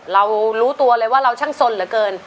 รู้ตัวเลยว่าเราช่างสนเหลือเกิน